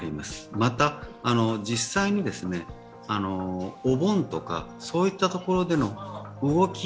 また、実際にですね、お盆とかそういったところでの動き。